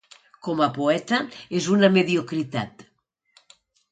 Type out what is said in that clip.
Com a poeta és una mediocritat.